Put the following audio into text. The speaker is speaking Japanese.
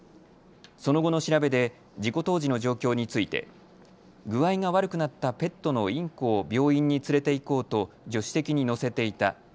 その後の調べで事故当時の状況について具合が悪くなったペットのインコを病院に連れて行こうと助手席に乗せていた。